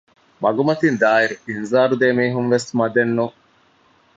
މަގުމަތިން ދާއިރު އިންޒާރު ދޭ މީހުން ވެސް މަދެއް ނޫން